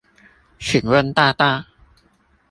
請問大大